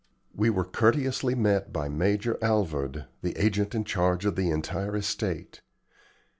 We were courteously met by Major Alvord, the agent in charge of the entire estate.